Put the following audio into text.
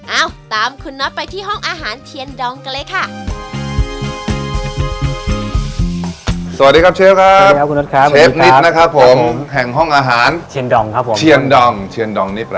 เอ้าตามคุณน็อตไปที่ห้องอาหารเทียนดองกันเลยค่ะ